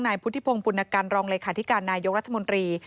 นายพุทธิพงศ์ปุณกันรองเลขาธิการนายกรัฐมนตรี